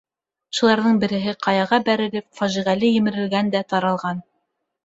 Шуларҙың береһе ҡаяға бәрелеп, фажиғәле емерелгән дә таралған.